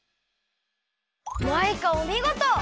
マイカおみごと！